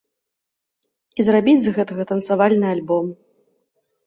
І зрабіць з гэтага танцавальны альбом.